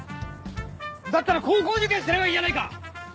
だったら高校受験すればいいじゃないか！